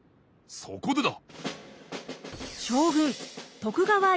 そこでだ。